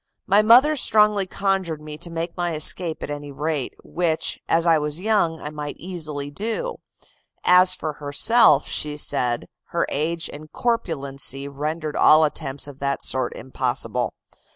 My mother strongly conjured me to make my escape at any rate, which, as I was young, I might easily do; as for herself, she said, her age and corpulency rendered all attempts of that sort impossible.